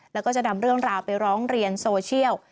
แล้วก็จะนำเรื่องราวไปร้องเรียนโซเชียล